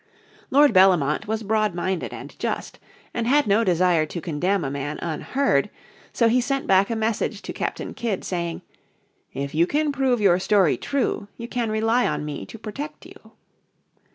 Lord Bellomont was broad minded and just, and had no desire to condemn a man unheard; so he sent back a message to Captain Kidd saying, "If you can prove your story true you can rely on me to protect you."